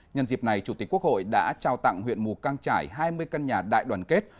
nhân dịp này chủ tịch quốc hội đã trao tặng huyện mù căng trải hai mươi căn nhà đại đoàn kết